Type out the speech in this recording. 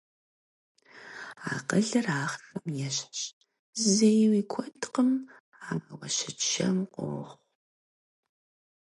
Акъылыр ахъшэм ещхьщ, зэи уи куэдкъым, ауэ щычэм къохъу.